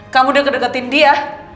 kamu udah deketin dia